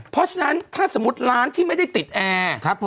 เพราะฉะนั้นถ้าสมมุติร้านที่ไม่ได้ติดแอร์